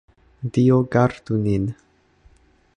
Dio gardu nin!